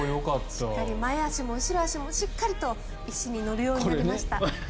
前足も後ろ足もしっかり石に乗るようになりました。